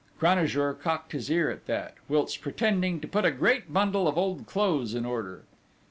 Cranajour cocked his ear at that, whilst pretending to put a great bundle of old clothes in order.